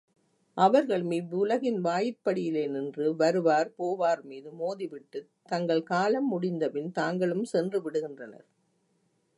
அவர்ளும் இவ்வுலகின் வாயிற்படியிலேயே நின்று, வருவார் போவார்மீது மோதிவிட்டுத் தங்கள் காலம் முடிந்தபின் தாங்களும் சென்றுவிடுகின்றனர்.